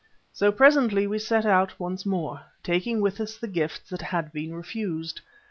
So presently we set out once more, taking with us the gifts that had been refused.